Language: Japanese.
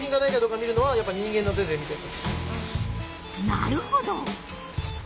なるほど。